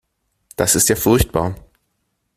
Das ist ja furchtbar.